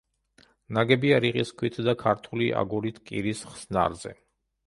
ნაგებია რიყის ქვით და ქართული აგურით კირის ხსნარზე.